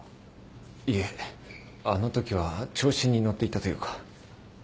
いえあのときは調子に乗っていたというか。